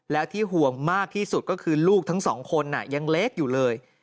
แล้วที่ห่วงมากที่สุดก็คือลูกทั้งสองคนยังเล็กอยู่เลย